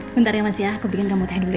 bentar ya mas ya aku bikin kamu teh dulu ya